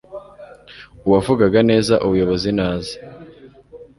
uwavugaga neza ubuyobozi naze